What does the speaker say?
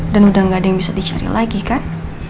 dan udah gak ada yang bisa dicari lagi kan